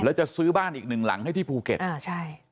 แล้วจะซื้อบ้านอีกหนึ่งหลังให้ที่ภูเก็ตอ่าใช่